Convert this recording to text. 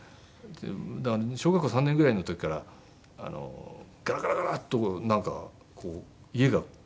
だから小学校３年ぐらいの時からガラガラガラッとなんかこう家が。